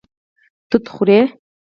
توت خوري